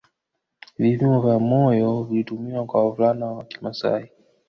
Vipimo vya moyo vilitumiwa kwa wavulana wa kimasai